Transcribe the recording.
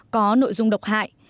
có nội dung độc hại